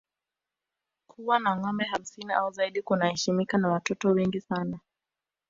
Kuwa na ngombe hamsini au zaidi kunaheshimika na watoto wengi zaidi